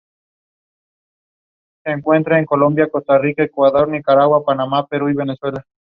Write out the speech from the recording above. King y Willie Dixon.